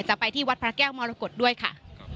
จะไปที่วัดพระแก้วมรกฏด้วยค่ะ